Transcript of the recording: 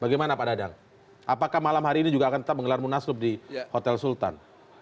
bagaimana pak dadang apakah malam hari ini juga akan tetap menggelar munaslup di hotel sultan